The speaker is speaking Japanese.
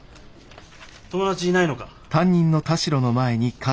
友達いないのか？